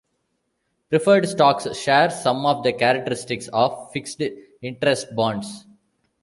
Preferred stocks share some of the characteristics of fixed interest bonds.